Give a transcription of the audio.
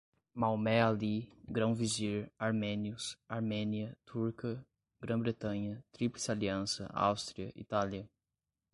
Maomé Ali, grão-vizir, armênios, Armênia, turca, Grã-Bretanha, Tríplice Aliança, Áustria, Itália